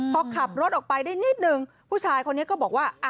พอขับรถออกไปได้นิดนึงผู้ชายคนนี้ก็บอกว่า